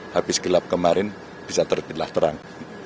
habis gelap kemarin bisa terbitlah terang